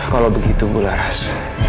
kalau begitu bularas